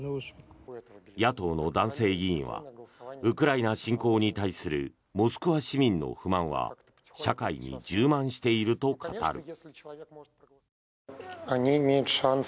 野党の男性議員はウクライナ侵攻に対するモスクワ市民の不満は社会に充満していると語る。